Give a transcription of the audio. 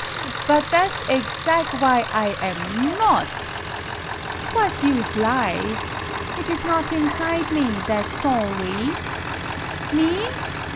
" But tha' 's ezag' why I am not! Wha' 's use lie ? It is not inside me that sawry. Me